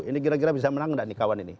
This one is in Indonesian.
ini kira kira bisa menang nggak nih kawan ini